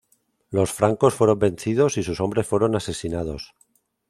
Los francos fueron vencidos y sus hombres fueron asesinados.